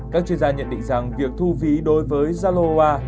các chuyên gia nhận định rằng việc thu phí đối với zalo